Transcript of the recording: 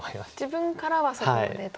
自分からはそこまでと。